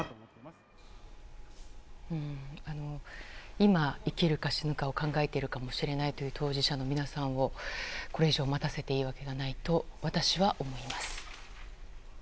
今、生きるか死ぬかを考えているかもしれないという当事者の皆さんを、これ以上待たせていいわけがないと私は思います。